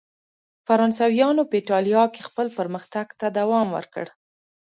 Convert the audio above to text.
فرانسویانو په اېټالیا کې خپل پرمختګ ته دوام ورکړ.